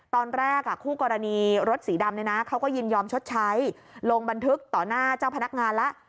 ตอนแรกคู่กรณีรถสีดำเนี่ยนะเขาก็ยินยอมชดใช้ลงบันทึกต่อหน้าเจ้าพนักงานแล้ว